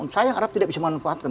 saya harap tidak bisa manfaatkan